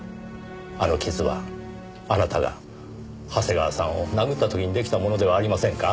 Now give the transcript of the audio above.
あの傷はあなたが長谷川さんを殴った時に出来たものではありませんか？